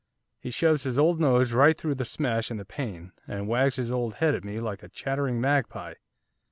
He shoves his old nose right through the smash in the pane, and wags his old head at me like a chattering magpie.